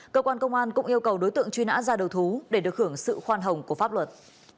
cơ quan công an cũng yêu cầu đối tượng truy nã ra đầu thú để được hưởng sự khoan hồng của pháp luật